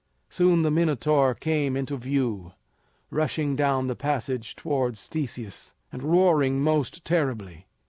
Soon the Minotaur came into view, rushing down the passage towards Theseus, and roaring most terribly.